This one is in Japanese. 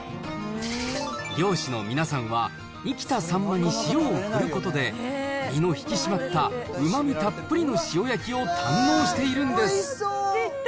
漁師の皆さんは、生きたサンマに塩を振ることで、身の引き締まったうまみたっぷりの塩焼きを堪能してるんです。